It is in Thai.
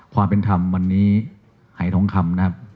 ความเป็นธรรมวันนี้หายทองคำนะครับ